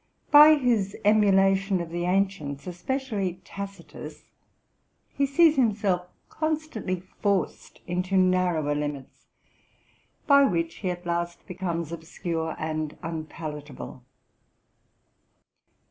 By his emu lation of the ancients, especially Tacitus, he sees himself constantly forced into narrower limits, by which he at last becomes obscure and unpalatable.